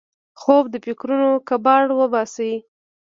خوب د فکرونو کباړ وباسي